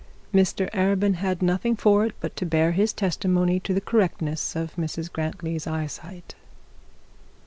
Mr Arabin had nothing for it but to bear his testimony to the correctness of Mrs Grantly's eyesight.